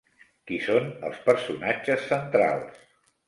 Qui són els personatges centrals?